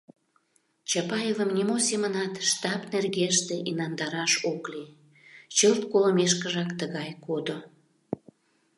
Чапаевым нимо семынат «штаб» нергеште инандараш ок лий — чылт колымешкыжак тыгай кодо.